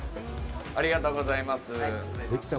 ありがとうございます。